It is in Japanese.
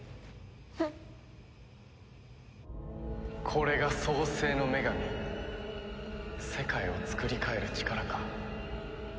これが創世の女神世界をつくり変える力か。